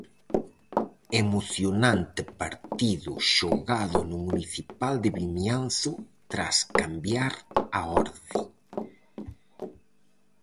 Emocionante partido xogado no municipal de Vimianzo tras cambiar a orde.